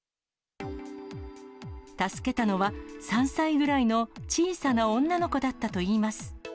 助けたのは、３歳ぐらいの小さな女の子だったといいます。